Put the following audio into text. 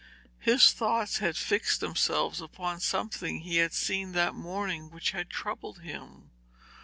His thoughts had fixed themselves upon something he had seen that morning which had troubled him.